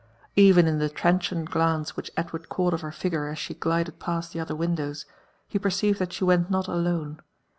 Even in the transient glance which Edward caught of her figure a$ she glided past the other windows, he perceived that she went not alone.